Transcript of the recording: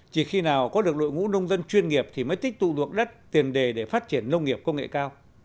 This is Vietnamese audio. chỉ khi nào có được đội ngũ nông dân chuyên nghiệp thì mới tích tụ ruộng đất tiền đề để phát triển nông nghiệp công nghệ cao